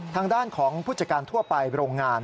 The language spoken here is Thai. ทางด้านของผู้จัดการทั่วไปโรงงาน